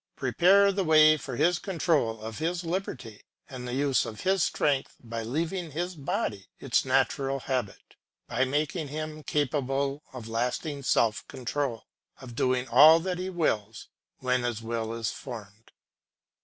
Prepare the way for his control of his liberty and the use of his strength by leaving his body its natural habit, by making him capable of lasting self control, of doing all that he wills when his will is formed.